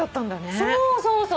そうそうそう！